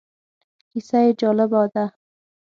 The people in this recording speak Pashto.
کیسه یې جالبه ده.